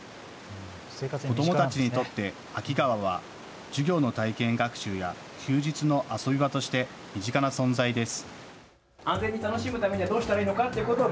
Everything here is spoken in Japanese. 子どもたちにとって秋川は授業の体験学習や休日の遊び場として身近な存在です。